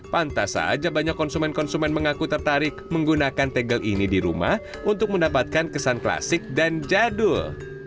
pantas saja banyak konsumen konsumen mengaku tertarik menggunakan tegel ini di rumah untuk mendapatkan kesan klasik dan jadul